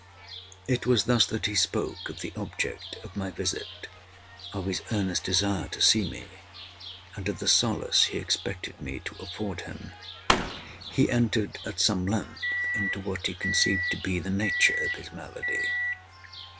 It was thus that he spoke of the object of my visit, of his earnest desire to see me, and of the solace he expected me to afford him. He entered, at some length, into what he conceived to be the nature of his malady.